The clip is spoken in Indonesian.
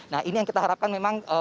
nah ini yang kita harapkan memang